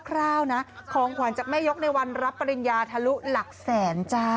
คร่าวนะของขวัญจากแม่ยกในวันรับปริญญาทะลุหลักแสนจ้า